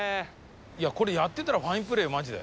これやってたらファインプレーよマジで。